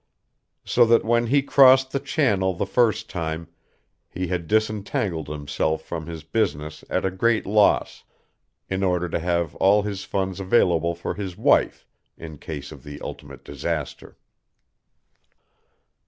So that when he crossed the Channel the first time he had disentangled himself from his business at a great loss, in order to have all his funds available for his wife in case of the ultimate disaster.